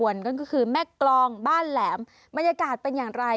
นั่นก็คือแม่กรองบ้านแหลมบรรยากาศเป็นอย่างไร